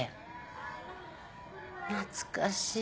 懐かしい。